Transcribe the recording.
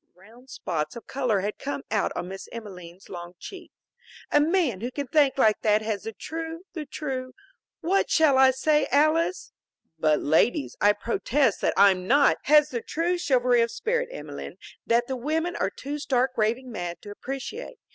Round spots of color had come out on Miss Emelene's long cheeks. "A man who can think like that has the true the true what shall I say, Alys?" "But, ladies, I protest that I'm not " "Has the true chivalry of spirit, Emelene, that the women are too stark raving mad to appreciate.